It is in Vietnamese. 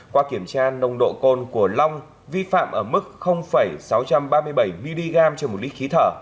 qua kiểm tra nồng độ cồn của long vi phạm ở mức sáu trăm ba mươi bảy mg trên một lít khí thở